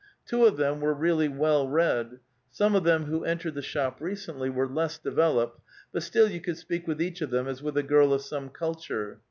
Two of them were really well read. Some of them who entered the shop recently were less developed, but still you could speak with each of them as with a girl of some culture.